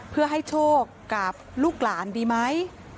เพื่อให้โชคกับลูกหลานดีไหม